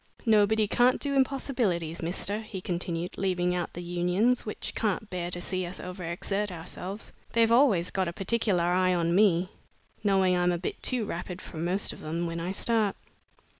Nobody can't do impossibilities, mister," he continued, "leaving out the Unions, which can't bear to see us over exert ourselves. They've always got a particular eye on me, knowing I'm a bit too rapid for most of them when I start."